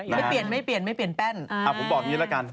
ไม่เปลี่ยนแป้น